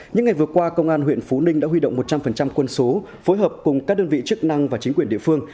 những ngày vừa qua công an huyện phú ninh đã huy động một trăm linh quân số phối hợp cùng các đơn vị chức năng và chính quyền địa phương